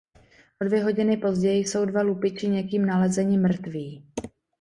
O dvě hodiny později jsou dva lupiči někým nalezeni mrtvý.